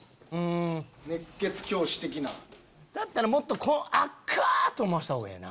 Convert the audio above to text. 熱血教師的な。だったらもっと「赤っ！」と思わしたほうがええな。